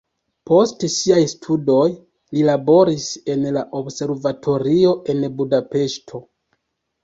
Post siaj studoj li laboris en la observatorio en Budapeŝto.